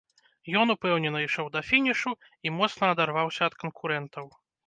Ён упэўнена ішоў да фінішу і моцна адарваўся ад канкурэнтаў.